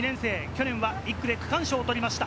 去年は１区で区間賞をとりました。